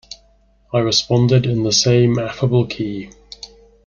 I responded in the same affable key.